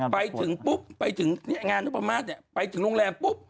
ไปถึงปุ๊บไปถึงงานนุปมาศเนี่ยไปถึงโรงแรมปุ๊บ